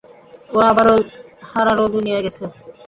ওরা আবারও হারানো দুনিয়ায় গেছে।